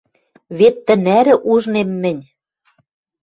Вет тӹнӓрӹ ужнем мӹнь». —